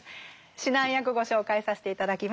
指南役ご紹介させて頂きます。